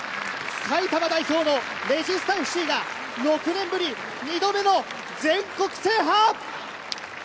埼玉代表のレジスタＦＣが６年ぶり２度目の全国制覇！